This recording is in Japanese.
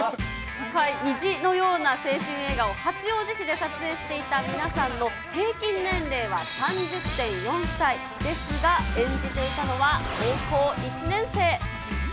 虹のような青春映画を八王子市で撮影していた皆さんの平均年齢は３０．４歳ですが、演じていたのは高校１年生。